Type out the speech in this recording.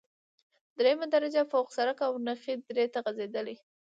دریمه درجه پوخ سرک د اونخې درې ته غزیدلی،